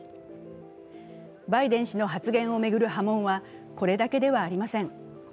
バイデン氏の発言を巡る波紋はこれだけではありません。